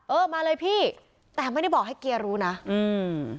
เออมาเลยพี่แต่ไม่ได้บอกให้เกียร์รู้นะอืม